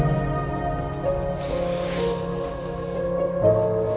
tidak ada yang bisa ngerti